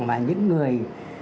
mà những người